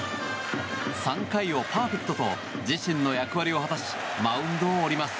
３回をパーフェクトと自身の役割を果たしマウンドを降ります。